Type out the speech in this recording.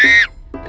gak gak gak